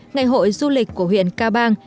ngày hội du lịch của huyện cabang